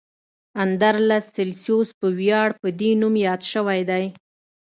اندرلس سلسیوس په ویاړ په دې نوم یاد شوی دی.